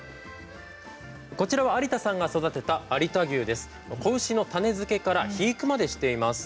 こちらは有田さんが育てた子牛の種付けから肥育までしています。